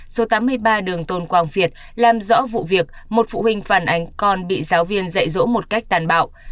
số tám mươi ba đường tôn quang việt làm rõ vụ việc một phụ huynh phản ánh con bị giáo viên dạy dỗ một cách tàn bạo